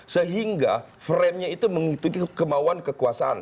sehingga frame nya itu mengikuti kemauan kekuasaan